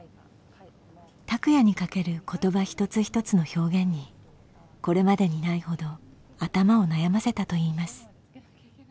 拓哉にかける言葉一つ一つの表現にこれまでにないほど頭を悩ませたといいます。